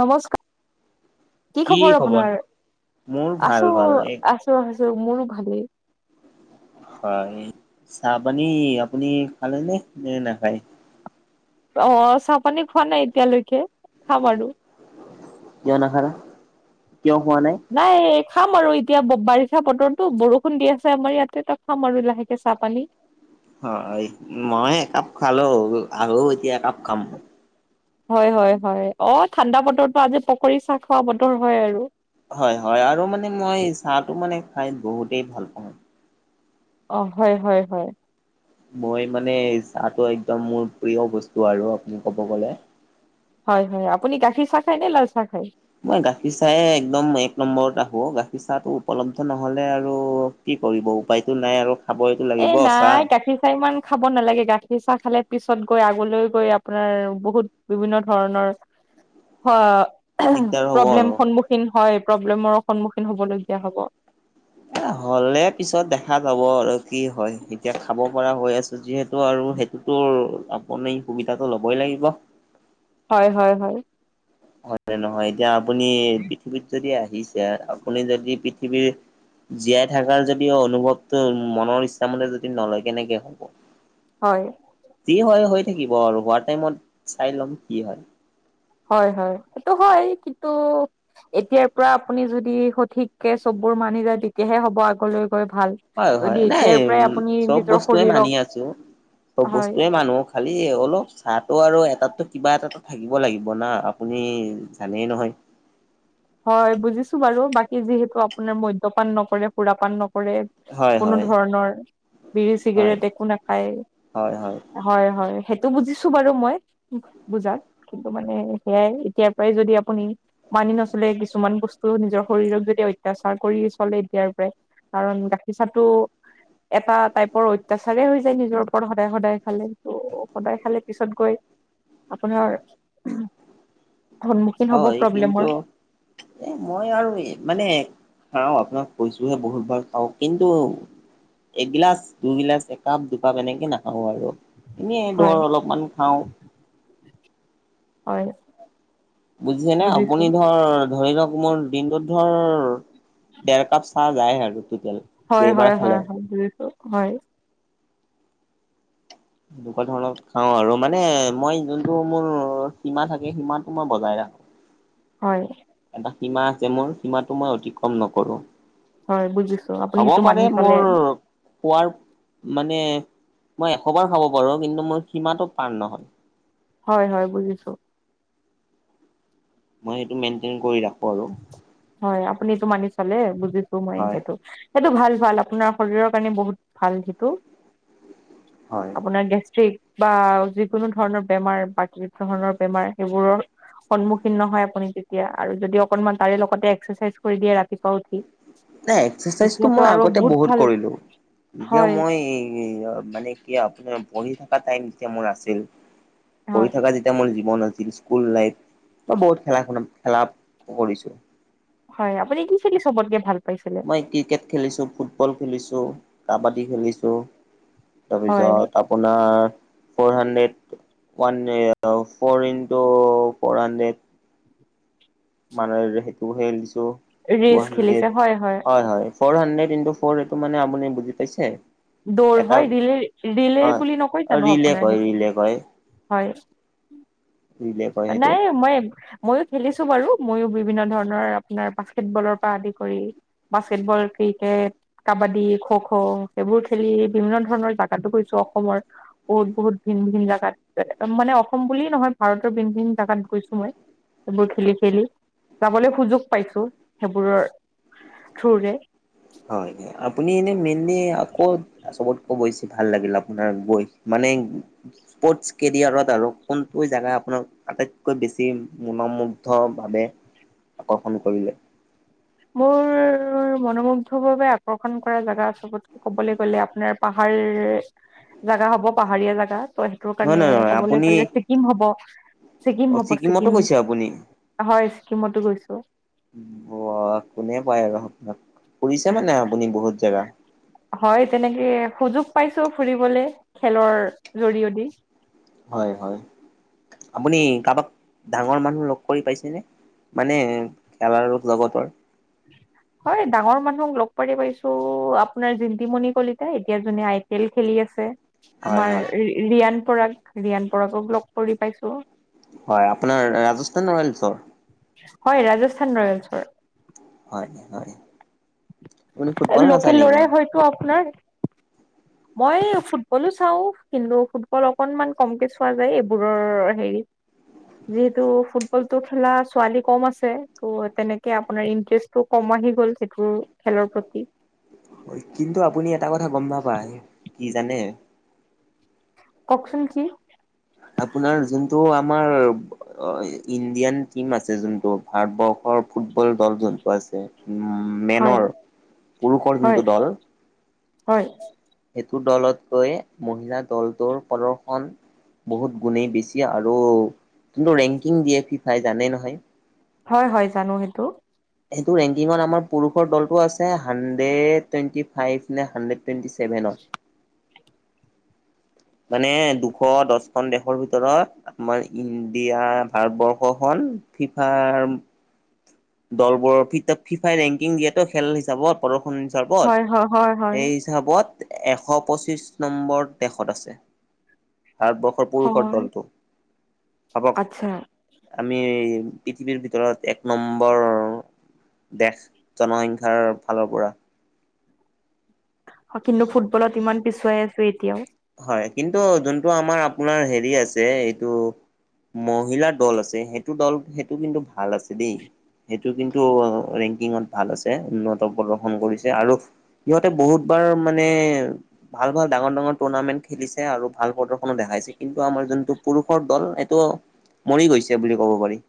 নমস্কাৰ, কি খবৰ আপোনাৰ, মোৰ ভাল আছো, ভাল এক আছো। [unintelligible] মোৰো ভালেই। হয়, চাহ পানী আপুনি খালে নে নে নাখায়। অ', চাহ পানী খোৱা নাই এতিয়ালৈকে, খাম আৰু। কিয় নাখায়, কিয় খোৱা নাই। নাই খাম আৰু এতিয়া বাৰিষা বতৰটো বৰষুণ দি আছে, আমাৰ ইয়াতে তাক খাম আৰু লাহেকে চাহ পানী। অ', মই একাপ খালো আৰু এতিয়া একাপ খাম। হয়, হয়, হয় অ', ঠাণ্ডা বতৰতো আজি পকৰি চাহ খোৱা বতৰ হয় আৰু। হয় হয়, আৰু মানে মই চাহটো মানে খাই বহুতেই ভাল পাওঁ। অ' হয় হয় হয়। মই মানে চাহটো একদম মোৰ প্ৰিয় বস্তু আৰু আপুনি ক'ব গ'লে। হয় হয়, আপুনি গাখীৰ চাহ খায় নে লাল চাহ খায়? মই গাখীৰ চাহে একদম এক নম্বৰত ৰাখো, গাখীৰ চাহটো উপলব্ধ নহলে আৰু কি কৰিব উপায়টো নাই আৰু। খাবইতো এ লাগিব চাহ নাই গাখীৰ চাহ ইমান খাব নালাগে, গাখীৰ চাহ খালে পিছত গৈ আগলৈ গৈ আপোনাৰ বহুত বিভিন্ন ধৰণৰ অ দিগদাৰ ', হ'ব প্ৰব্লেম আৰু। সন্মুখীন হয়, প্ৰব্লেমৰ সন্মুখীন হবলীয়া হ'ব। এ হ'লে পিছত দেখা যাব আৰু কি হয়, এতিয়া খাব পৰা হৈ আছো যিহেতু তো আৰু সেইটোতো আপুনি সুবিধাটো ল'বই লাগিব হয় হয় হয় নহয় এতিয়া আপুনি পৃথিৱীত যদি আহিছে আপুনি যদি পৃথিৱীৰ জীয়াই থকাৰ যদি অনুভৱটো মনৰ ইচ্ছামতে যদি নলয় কেনেকে হ'ব হয় কি হয় হৈ থাকিব আৰু হোৱাৰ টাইমত চাই ল'ম কি হয় হয় হয় সেইটো হয় কিন্তু এতিয়াৰ পৰা আপুনি যদি সঠিককে চববোৰ মানি যায় তেতিয়াহে হ'ব আগলৈ গৈ ভাল হয় যদি হয় নাই এতিয়াৰ পৰাই উম আপুনি চব নিজৰ বস্তুৱে শৰীৰক মানি আছো চব হয় বস্তুয়ে মানু খালি অলপ চাহটো আৰু এটাতো কিবা এটা থাকিব লাগিব না আপুনি জানেই নহয় হয় বুজিছো বাৰু বাকী যিহেতু আপোনাৰ মদ্যপান নকৰে সুৰা পান নকৰে হয় কোনো হয়। ধৰণৰ বিৰি হয়, চিগাৰেট একো নাখায় হয় হয় সেইটো বুজিছো বাৰু মই বুজাত কিন্তু মানে সেয়াই এতিয়াৰ পৰাই যদি আপুনি মানি নচ কিছুমান বস্ত নিজৰ শৰীৰক যদি অত্যাচাৰ কৰি চলে এতিয়াৰ পৰাই কাৰণ গাখীৰ চাহটো এটা টাইপৰ অত্যাচাৰেই হৈ যায় নিজৰ ওপৰত সদায় সদায় খালে ত' সদায় খালে পিছত গৈ আপোনাৰ সন্মুখীন হব হয় কিন্তু প্ৰব্লেমৰ এ মই আৰু মানে খাও আপোনাক কৈছোহে বহুতবাৰ খাও কিন্তু এগিলাচ দুইগিলাচ একাপ দুকাপ এনেকে নাখাওঁ আৰু এনেই ধৰ হয় অলপমান খাওঁ হয় বুজিছেনে বুজিছো আপুনি ধৰ ধৰি লক মোৰ দিনটোত ধৰ ডেৰ কাপ চাহ যায়হে আৰু তোটেল হয় হয় হয় হয় বুজিছো হয় এনেকুৱা ধৰণৰ খাও আৰু মানে মই যোনটো মোৰ সীমা থাকে সীমাটো মই বজাই ৰাখো হয় এটা সীমা আছে মোৰ সীমাটো মই অতিক্ৰম নকৰো হয় বুজিছো আপুনি হ'ব সেইটো পাৰে মানি চলে মোৰ খোৱাৰ মানে মই এশবাৰ খাব পাৰোঁ কিন্তু মোৰ সীমাটো পাৰ নহয় হয় হয় বুজিছো মই সেইটো মেইনটেইন কৰি ৰাখো আৰু। হয় আপুনি এটো মানি চলে বুজিছো মই হয় সেইটো সেইটো ভাল ভাল আপোনাৰ শৰীৰৰ কাৰণে বহুত ভাল সেইটো হয় আপোনাৰ গেষ্ট্ৰিক বা যিকোনো ধৰণৰ বেমাৰ বা ধৰণৰ বেমাৰ সেইবোৰৰ সন্মুখীন নহয় আপুনি তেতিয়া আৰু যদি অকনমান তাৰে লগতে এক্সাৰচাইজ কৰি দিয়ে ৰাতিপুৱা উঠি নাই এক্সাৰচাইজটো তেতিয়াতো মই আৰু আগতে বহুত ভাল কৰিলো এতিয়া হয় মই মানে এতিয়া আপোনাৰ পঢ়ি থকা টাইম যেতিয়া মোৰ আছিল পঢ়ি হয় থাকোতে মোৰ জীৱন আছিল স্কুল লাইফ বা বহুত খেলাখন খেলা কৰিছো হয় আপুনি কি খেলি চবতকে ভাল পাইছিল মই ক্ৰিকেট খেলিছো ফুটবল খেলিছো কাবাডী খেলিছো হয় তাৰপিছত আপোনাৰ four hundred [unintelligible] four into four hundred মানে সেইটো দিছো ট ৰেচ খেলিছে হাণ্ড্ৰেড হয় হয় হয়। ফ'ৰ হাণ্ড্ৰেড ই ফ এইটো মানে আপুনি বুজি পাইছে। দৌৰ এটা হয় লে ৰিলে হয় বুলি নকয়। জানো ৰিলে আপোনাৰ কয় সেইটো ৰিলে কয় হয়। ৰিলে কয় সেইটো। নাই মই। মইও খেলিছো বাৰু মইও বিভিন্ন ধৰণৰ আপোনাৰ বাস্কেটবলৰ, পৰা আদি কৰি বাস্কেটবল, ক্ৰিকেট, কাবাডী, খ খ, ' এইবোৰ খেলি বিভিন্ন ধৰণৰ জাগাতো গৈছো। অসমৰ বহুত বহুত ভিন ভিন জাগাত মানে অসম বুলিয়েই নহয় ভাৰতৰ ভিন ভিন জাগাত গৈছো। মই সেইবোৰ খেলি খেলি যাবলৈ সুযোগ পাইছো। সেইবোৰৰ থ্ৰোৰে হয়। আপুনি এনে মেইনলি আকৌ'- চবতকৈ বেছি ভাল লাগিল আপোনাৰ গৈ মানে। স্পৰ্টছ কেৰিয়াৰত আৰু কোনটো জেগা আপোনাৰ আটাইতকৈ বেছি মোনা নামোন অ ভাৱে আকৰ্ষণ কৰিলে। মোৰ। মনোমু্ধৰ বাবে আকৰ্ষণ কৰা জেগা চবতকে ক'বলৈ গ'লে আপোনাৰ, পাহাৰ। জাগা হব পাহাৰীয়া, জোগা ত' সেইটোৰ নহয় কাৰণে নহয় নহয় কবলৈ আপুনি গ'লে। ছিকিম হ'ব অ ছিকিম হ'ব ছিকিমতো ছিকিম। গৈছে আপুনি হয় ছিকিমতো গৈছোঁ। অ কোনে পায় আৰু আপোনাক ফুৰিছে মানে আপুনি বহুত জেগা। হয় তেনেকে সুযোগ পাইছো ফুৰিবলে খেলৰ জৰিয়দি। হয় হয় আপুনি কাৰোবাক ডাঙৰ মানুহ লগ কৰি পাইছেনে। মানে খেলা ৰোগ জগতৰ [unintelligible] উ [unintelligible] হয় ডাঙৰ মানুহক লগ পাৰি পাৰিছো। আপোনাৰ জিন্তিমণি কলিতা এতিয়া যোনে আই পি এল খেলি আছে। হয় আমাৰ হয় ৰিয়ান, পৰাগ ৰিয়ান পৰাগক লগ কৰি পাইছোঁ। হয়। আপোনাৰ ৰাজস্থান, ৰয়েলছৰ ঘৰৰ। হয় ৰাজস্থান, ৰয়েলছৰ। হয় হয় আপুনি ফুটবলত নাচাই নেকি। এইটো আপোনাৰ। মই ফুটবলো চাওঁ। কিন্তু ফুটবল অকনমান কমকে চোৱা যায় এইবোৰৰ হেৰিত। যিহেতু ফুটবল টো খেলা ছোৱালী কম আছে। ত' তেনেকে আপোনাৰ ইন্টাৰেষ্ট টো, ' কম আহি গ'ল সেইটোৰ খেলৰ প্ৰতি। কিন্তু, আপুনি এটা কথা গম নাপায় কি জানে। কওকচোন কি? আপোনাৰ যোনটো আমাৰ। ইণ্ডিয়ান টিম আছে যোনটো ভাৰতবৰ্ষৰ ফুটবল, দল যোনটো আছে। উম' হয় মেনৰ পুৰুষৰ হয় যোনটো দল। হয়। সেইটো দলতকৈ মহিলা দলটোৰ প্ৰদৰ্শন বহুত গুণেই বেছি আৰু কিন্তু, ৰেংকিং দিয়ফি ফাই জানে নহয়। হয় হয় জানো সেইটো। সেইটো ৰেংকিঙত আমাৰ পুৰুষৰ দলটো আছে। হাণ্ড্ৰেড টুৱেণ্টি ফাইভ নে হাণ্ড্ৰেড টুৱেণ্টি চছেভেনত। মানে দুশ দহখন দেশৰ ভিতৰত, আমাৰ ইণ্ডিয়া ভাৰতবৰ্ষখন ফিফাৰ- দলবোৰৰ ফিফাই ৰেংকিং দিয়েতো খেল হিচাপত প্ৰদৰ্শনী হয় হিচাপত। হয় হয় হয় সেই- ধাবত এশ পঁচিশ নম্বৰত দেশত আছে, ভাৰতবৰ্ষ হ পুৰুষৰ হয় দলটো। ভাবক- আচ্ছা আমি পৃথিৱীৰ ভিতৰত এক নম্ বৰ দেশ জনসংখ্যাৰ ফালৰ পৰা কিন্তু ফুটবলত ইমান পিছুৱাই আছো এতিয়াও, হয়। কিন্তু যোনটো আমাৰ আপোনাৰ হেৰি আছে এইটো। মহিলা দল আছে। সেইটো দল সেইটো কিন্তু ভাল আছে দেই, সেইটো কিন্তু ৰেংকিঙত ভাল আছে। উন্নত প্ৰদৰ্শন কৰিছে আৰু, সিহঁতে বহুত বাৰ মানে ভাল ভাল ডাঙৰ ডাঙৰ টুৰ্ণামেন্ট খেলিছে আৰু ভাল প্ৰদৰ্শনো দেখাইছে। কিন্তু আমাৰ যোনটো পুৰুষৰ দল এইটো মৰি গৈছে বুলি ক'ব পাৰি।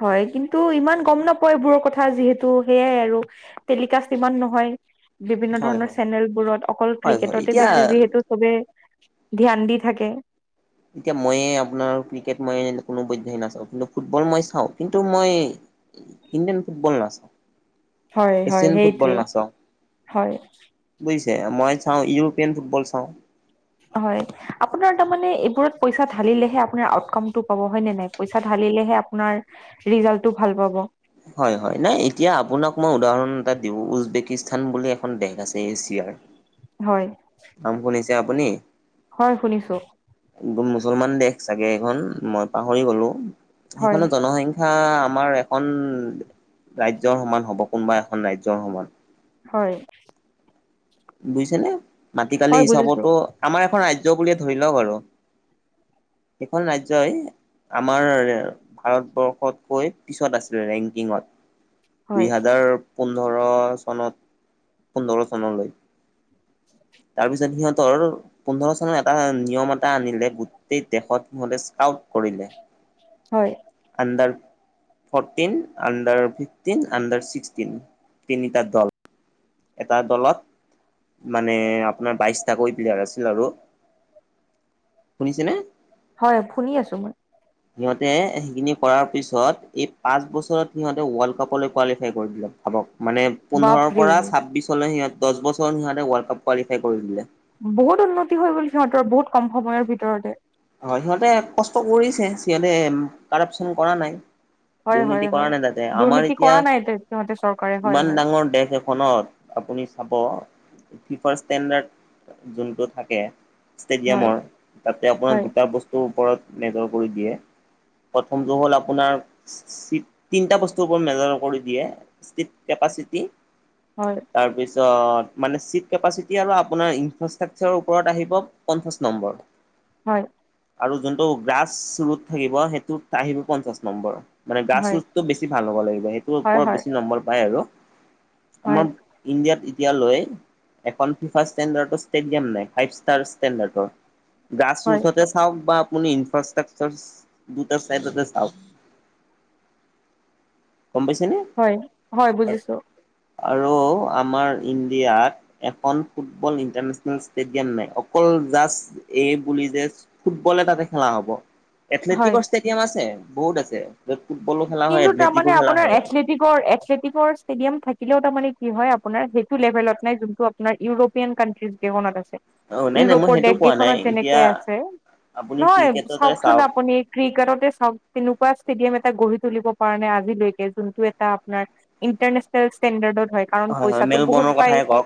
হয়। কিন্তু ইমান গম নাপয় এইবোৰৰ কথা যিহেতু সেইয়াই আৰু। টেলিকাষ্ট ইমান নহয়। বিভিন্ন হয় ধৰণৰ হয় চেনেলবোৰত অকল হয় হয় ক্ৰিকেটতে বেছি এতিয়া যিহেতু, চবে ধ্যান দি থাকে। এতিয়া মইয়ে আপোনাৰ ক্ৰিকেট মই কোনো পধ্যে নাচাওঁ। কিন্তু ফুটবল মই চাওঁ কিন্তু মই, ইণ্ডিয়ান ফুটবল নাচাঁও। হয় হয় সেইটোৱেই হয়। বুজিছে মই চাওঁ ইউৰোপীয়ান ফুটবল চাওঁ। হয় আপোনাৰ তাৰমানে এইবোৰত পইচা ঢালিলেহে আপোনাৰ আউটকামটো পাব হয়নে নাই পইচা ঢালিলেহে আপোনাৰ ৰিজাল্টটো ভাল পাব হয় হয় নাই এতিয়া আপোনাক মই উদাহৰণ এটা দিওঁ উজবেকিস্তান বুলি এখন দেশ আছে এছিয়াৰ হয় নাম শুনিছে আপুনি হয় শুনিছো মুছলমান দেশ চাগে এইখন মই পাহৰি গলো হয় সেইখনত জনসংখ্ কথা আমাৰ এখন ৰাজ্যৰ সমান হ'ব কোনোবা এখন ৰাজ্যৰ সমান হয় বুইছেনেে মাটিকালি হয় বুজিছো হিচাপতো আমাৰ এখন ৰাজ্য বুলিয়ে ধৰি লওক আৰু সেইখন ৰাজ্যই আমাৰ ভাৰতবৰ্ষতকৈ পিছত আছিলে ৰেংকিঙত দুই হয় হাজাৰ পোন্ধৰ চনত পোন্ধৰ চনলৈ [unintelligible] তাৰপিছত সিহঁতৰ পোন্ধৰ চনৰ এটা নিয়ম এটা আনিলে গোটেই দেশত সিহঁতে স্কাউট কৰিলে হয় under fourteen under fifteen under sixteen তিনিটা দল এটা দলত মানে আপোনাৰ বাইশটাকৈ প্লেয়াৰ আছিল আৰু শুনিছেনে হয় শুনি আছো মই সিহঁতে সেইখিনি কৰাৰ পিছত এই পাঁচ বছৰত সিহঁতে ৱৰ্ল্ড কাপলৈ কোৱালিফাই কৰি দিলে ভাবক মানে পোন্ধৰ বাপৰে পৰা ছাব্বিছলৈ সিহঁত দছ বছৰ সিহঁতে ৱৰ্ল্ড কাপ কোৱালিফাই কৰি দিলে বহুত উন্নতি হৈ গ'ল সিহঁতৰ বহুত কম সময়ৰ ভিতৰতে হয় সিহঁতে কষ্ট কৰিছে সিহঁতে কাৰাপচন কৰা নাই হয় হয় দুৰ্নীতি কৰা হয় নাই তাতে আমাৰ দুৰ্নীতি কৰা নাই তে সিহঁতে চৰকাৰে এতিয়া হয় ইমান হয় ডাঙৰ দেশ এক ফোনত আপুনি চাব প্ৰিফাৰ্ষ্ট ষ্টেণ্ডাৰ্ড যোনটো থাকে হয় ষ্টেডিয়ামৰ তাতে আপোনাৰ হয় দুটা বস্তুৰ ওপৰত নিৰ্ভৰ কৰি দিয়ে। প্ৰথমটো হ'ল আপোনাৰ তিনিটা বস্তুৰ ওপৰত মেজাৰ কৰি দিয়ে। ছিট কেপাচিটি, হয়। তাৰপিছত মানে ছিট কেপাচিটি আৰু আপোনাৰ ইনফ্ৰাষ্ট্ৰাকচাৰৰ ওপৰত আহিব। পঞ্চাশ নম্বৰ। হয়। আৰু যোনটো গ্ৰাছ ৰোট থাকিব সেইটোত আহিব, পঞ্চাশ নম্বৰ। মানে গ্ৰাছ হয় ৰোটটো বেছি ভাল হ'ব লাগিব, সেইটো হয় হয় ওপৰত বেছি নম্বৰ পায় আৰু। হয় আমাৰ ইণ্ডিয়াত এতিয়া লয় এখন প্ৰিফাৰ্ষ্ট ষ্টেডিয়াম নাই, ফাইভ ষ্টাৰ ষ্টেণ্ডাৰ্ডৰ, গ্ৰাছ হয় ৰোটতে চাওক বা আপুনি ইনফ্ৰাষ্ট্ৰাকচাৰ দুটা চাইডতে চাওক গম পাইছে নে? হয় হয়, বুজিছো। আৰু আমাৰ ইণ্ডিয়াত, এখন ফুটবল ইণ্টাৰনেচনেল ষ্টেডিয়াম নাই। অকল জাষ্ট এই বুলি যে ফুটবল তাতে খেলা হব, হয় এথলেটিকৰ ষ্টেডিয়াম আছে বহুত আছে। য'ত ফুটবলো খেলা হয়, এথলেটিকো খেলা হয়। তৃগৰ এথলেটিকৰ ষ্টেডিয়াম থাকিলেও তাৰ মানে কি হয় আপোনাৰ সেইটো লেভেলত নাই জোনটো আপো নাৰ ইউৰোপীয়ান কানট্ৰিজ কেখনত আছে। অ নাই নাই মই ইউৰোপৰ সেইটো কোৱা নাই দেশকেইখনত যেনেকে এতিয়া আছে, আপুনি নহয় ক্ৰিকেটতে চাওকচোন চাওক আপুনি ক্ৰিকেটতে চাওক কেনেকুৱা ষ্টেডিয়াম এ টা গঢ়ি তুলিব পৰা নাই আজিলৈকে, জোনটো এটা আপোনাৰ ইণ্টাৰনেশ্যনেল ষ্টেণ্ডাৰ্ডত হয়। কাৰণ হয় পইচাটো মেলবৰ্ণৰ বহুত পায়। কথাই কওক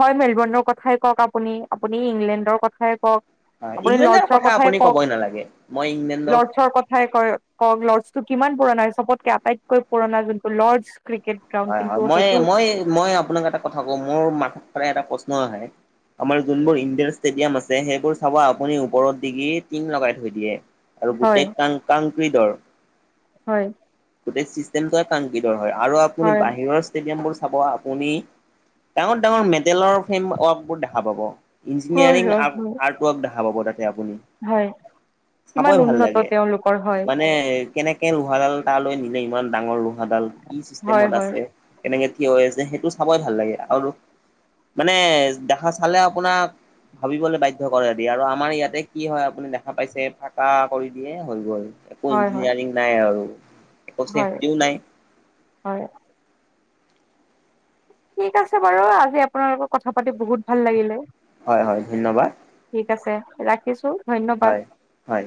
হয় মেলবৰ্ণৰ কথাই কওক আপুনি, আপুনি ইংলেণ্ডৰ কথাই কওক হয় আপুনি ইংলেণ্ডৰ লৰ্ডছৰ কথা কথাই আপুনি কওক ক'বই নালাগে মই ইংলেণ্ডৰ লৰ্ডছৰ কথাই ক ওক লৰ্ডছটো কিমান পুৰণা, চবতকে আটাইতকৈ পুৰণা যোনটো লৰ্ডছ ক্ৰিকেট গ্ৰাউণ্ড হয় কিন্তু হয়, মই সেইটো মই মই আপোনাক এটা কথা কওঁ মোৰ মাঠাত এটা প্ৰশ্ন আহে আমাৰ যোনবোৰ ইনডোৰ ষ্টেডিয়াম আছে সেইবোৰ চাব আপুনি ওপৰত দিগি টিং লগাই থৈ দিয়ে। আৰু হয় গোটেই কাং কাংকৃদৰ হয়। গোটেই চিষ্টেমটোৱে কাংকিডৰ হয় আৰু আপুনি হয় বাহিৰৰ ষ্টেডিয়ামবোৰ চাব আপুনি ডাঙৰ ডাঙৰ মেদেলৰ ফেম ৱৰ্ক বোৰ দেখা পাব। হয় ইঞ্জিনিয়াৰিং আ হয় হয় আৰ্ট ৱৰ্ক দেখা পাব তাতে আপুনি। হয় কিমান চাবই ভাল উন্নত লাগে তেওঁলোকৰ হয় মানে কেনেকে লোহাডাল তালৈ নিলে ইমান ডাঙৰ লোহাডাল কি হয় চিষ্টেমত হয় আছে কেনেকে থিয় হৈ আছে সেইটো চাবাই ভাল লাগে। আৰু মানে দেখা চালে আপোনাক ভাবিবলৈ বাধ্য কৰে দিয়ে, আৰু আমাৰ ইয়াতে কি হয় আপুনি দেখা পাইছে পাকা কৰি দিয়ে হৈ গ'ল। একো হয় হয় ইঞ্জিনিয়াৰিং নাই আৰু। একো হয়, চেফটিও নাই হয়। ঠিক আছে বাৰু আজি আপোনাৰ লগত কথা পাতি বহুত ভাল লাগিলে। হয় হয়, ধন্যবাদ। ঠিক আছে, ৰাখিছো। ধন্যবাদ হয় হয়।